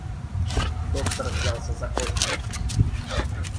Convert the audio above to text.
Доктор взялся за кофей.